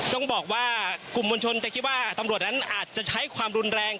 ต้องบอกว่ากลุ่มมวลชนจะคิดว่าตำรวจนั้นอาจจะใช้ความรุนแรง